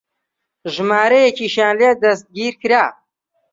ژمارەیەکیشیان لێ دەستگیر کرا